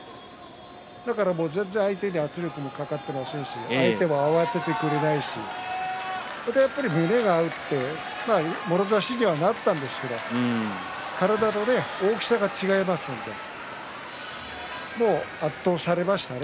だから全然相手に圧力はかかっていませんし相手が慌ててくれないしやっぱり胸が合ってもろ差しにはなったんですけれども体の大きさが違いますから圧倒されましたね。